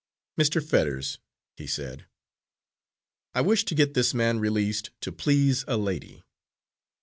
"Mr. Fetters," he said, "I wish to get this man released to please a lady."